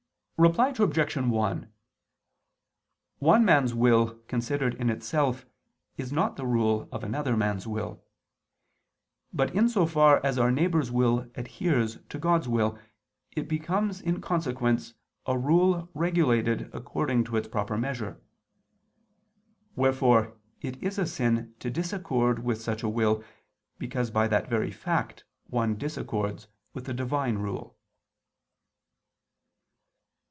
Reply Obj. 1: One man's will considered in itself is not the rule of another man's will; but in so far as our neighbor's will adheres to God's will, it becomes in consequence, a rule regulated according to its proper measure. Wherefore it is a sin to disaccord with such a will, because by that very fact one disaccords with the Divine rule.